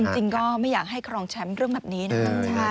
จริงก็ไม่อยากให้ครองแชมป์เรื่องแบบนี้นะครับ